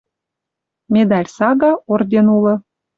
Медаль сага орден улы —